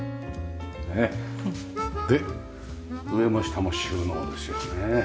で上も下も収納ですよね。